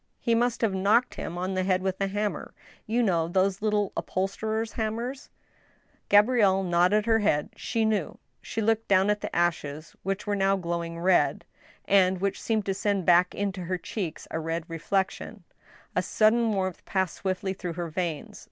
He must have knocked him on the head with a hammer— you know those little upholsterer's hammers ?" Gabrielle nodded her head ; she knew . She looked down at the ashes which were now glowing red, and which seemed to send back into her cheeks a red reflection; a sudden warmth passed swiftly through her veins.